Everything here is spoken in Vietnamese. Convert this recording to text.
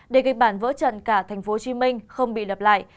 để kịch bản vỡ trận cả thành phố hồ chí minh không bị lập lại